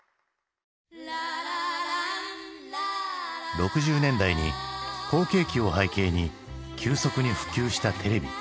６０年代に好景気を背景に急速に普及したテレビ。